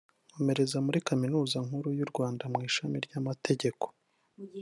Nkomereza muri Kaminuza Nkuru y’u Rwanda mu ishami ry’amategeko